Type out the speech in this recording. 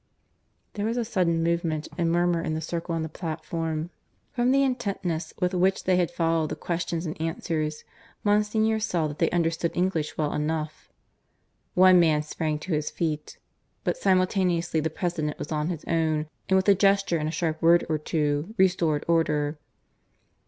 There was a sudden movement and murmur in the circle on the platform. From the intentness with which they had followed the questions and answers, Monsignor saw that they understood English well enough. One man sprang to his feet. But simultaneously the President was on his own, and with a gesture and a sharp word or two restored order.